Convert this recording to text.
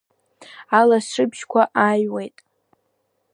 Алашыбжьқәа ааҩуеит.